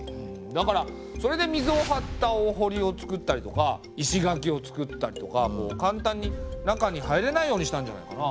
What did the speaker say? だからそれで水を張ったおほりをつくったりとか石垣をつくったりとか簡単に中に入れないようにしたんじゃないかな？